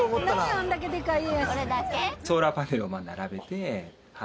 あんだけでかい家やし。